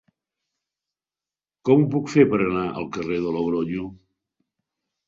Com ho puc fer per anar al carrer de Logronyo?